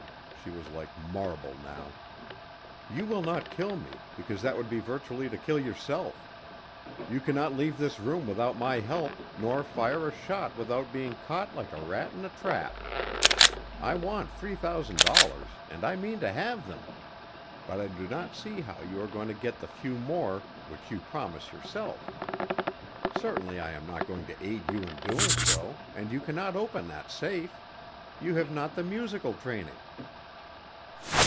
She was like marble now. "You will not kill me, because that would be virtually to kill yourself. You cannot leave this room without my help, nor fire a shot without being caught like a rat in a trap. I want three thousand dollars, and I mean to have them, but I do not see how you are going to get the few more which you promise yourself. Certainly I am not going to aid you in doing so, and you cannot open that safe. You have not the musical training."